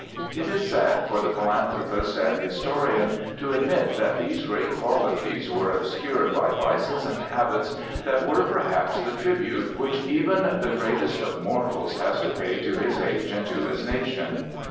It is sad for the philanthropist and historian to admit that these great qualities were obscured by vices and habits that were, perhaps, the tribute which even the greatest of mortals has to pay to his age and to his nation.